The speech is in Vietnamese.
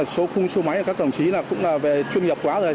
số khung số máy các đồng chí cũng là về chuyên nghiệp quá rồi